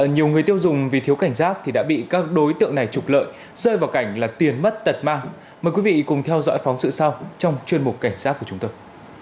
nhiều người tiêu dùng vì thiếu cảnh giác thì đã bị các đối tượng này trục lợi rơi vào cảnh là tiền mất tật mang mời quý vị cùng theo dõi phóng sự sau trong chuyên mục cảnh giác của chúng tôi